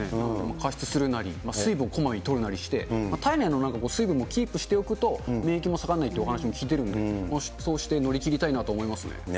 加湿するなり、水分をこまめにとるなりして、体内の水分もキープしておくと免疫も下がらないというお話も聞いているんで、そうして乗り切りたいなと思いますね。